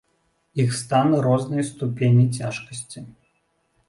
Іх стан рознай ступені цяжкасці.